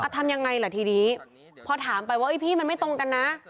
ทำยังไงล่ะทีนี้พอถามไปว่าพี่มันไม่ตรงกันนะ